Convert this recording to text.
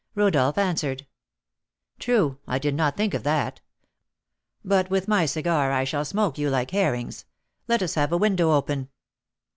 Rodolph answered: "True; I did not think of that. But with my cigar I shall smoke you like herrings; let us have a window open."